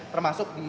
termasuk di jarinya